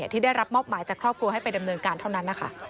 ที่ได้รับมอบหมายจากครอบครัวให้ไปดำเนินการเท่านั้นนะคะ